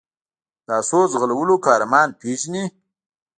د آسونو ځغلولو قهرمان پېژني.